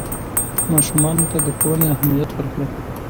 ماشومانو ته د ښوونې اهمیت ورکړئ.